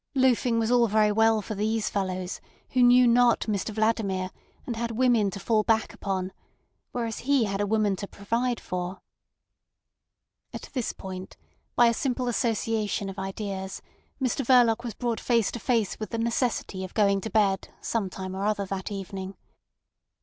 Loafing was all very well for these fellows, who knew not Mr Vladimir, and had women to fall back upon; whereas he had a woman to provide for— At this point, by a simple association of ideas, Mr Verloc was brought face to face with the necessity of going to bed some time or other that evening.